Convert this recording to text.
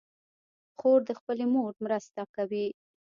خور د خپلې مور مرسته کوي.